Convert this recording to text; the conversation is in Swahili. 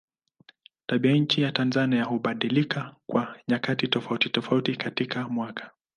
Tabianchi ya Tanzania hubadilika kwa nyakati tofautitofauti katika mwaka.